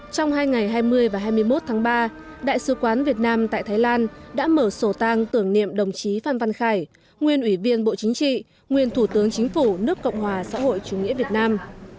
trong hai ngày hai mươi và hai mươi một tháng ba đại sứ quán việt nam tại thái lan đã mở sổ tăng tưởng niệm đồng chí phan văn khải nguyên ủy viên bộ chính trị nguyên thủ tướng chính phủ nước cộng hòa xã hội chủ nghĩa việt nam